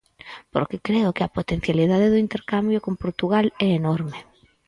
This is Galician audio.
Porque creo que a potencialidade do intercambio con Portugal é enorme.